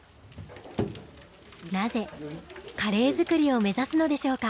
なぜカレー作りを目指すのでしょうか？